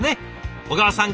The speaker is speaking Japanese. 小川さん